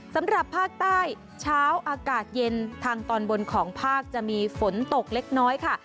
สำหรับภาคใต้เช้าอากาศเย็นทางตอนบนของภาคจะมีฝนตกเล็กน้อยค่ะ